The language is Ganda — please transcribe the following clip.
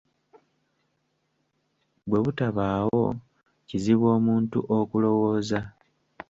Bwe butabaawo, kizibu omuntu okulowooza.